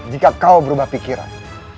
jika kau berubah pikiran